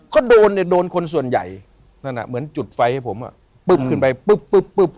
ก็โดนเนี่ยโดนคนส่วนใหญ่นั่นอ่ะเหมือนจุดไฟให้ผมอ่ะปุ๊บขึ้นไปปุ๊บปุ๊บปุ๊บ